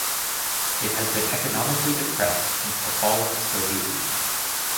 It has been economically depressed since the fall of the Soviet Union.